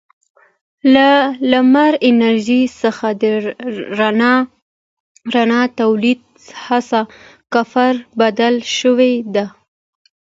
له لمر انرژۍ څخه د رڼا تولید هڅه کفر بلل شوې ده.